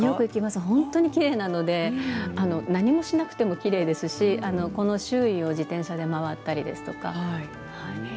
本当にきれいなので何もしなくてもきれいですしこの周りを自転車で回ったりしています。